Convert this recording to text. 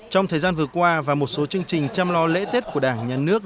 trong thời gian vừa qua và một số chương trình chăm lo lễ tết của đảng nhà nước